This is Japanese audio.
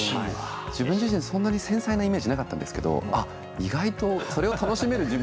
自分自身そんなに繊細なイメージなかったんですけど意外とそれを楽しめる自分もいるんだなって初めて。